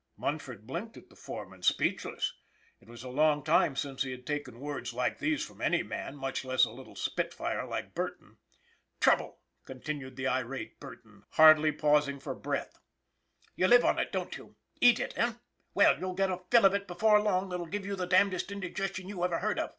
Munford blinked at the foreman, speechless. It was a long time since he had taken words like these from any man, much less a little spitfire like Burton. " Trouble !" continued the irate Burton, hardly pausing for breath. " You live on it, don't you ? Eat it, eh? Well, you'll get a fill of it before long that'll give you the damnest indigestion you ever heard of.